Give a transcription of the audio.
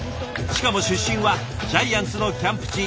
しかも出身はジャイアンツのキャンプ地